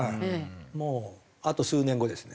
もうあと数年後ですね。